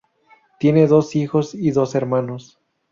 Tiene dos hijos y dos hermanos.